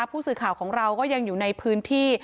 ผู้สื่อข่าวของเราก็ยังอยู่ในพื้นที่